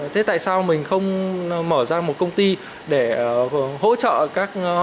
thế tại sao mình không mở ra một công ty để hỗ trợ các